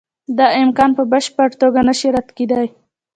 دا امکان په بشپړه توګه نشي رد کېدای.